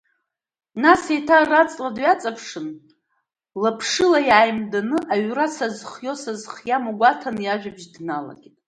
Нас еиҭа араҵла дҩаҵаԥшын, лаԥшыла иааимданы, аҩра сазхиоу сазхиаму гәаҭаны иажәбажь дналагеит…